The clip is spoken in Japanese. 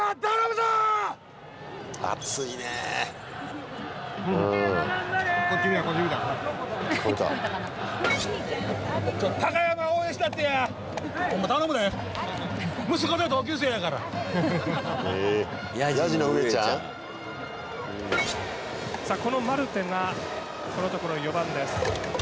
さあこのマルテがこのところ４番です。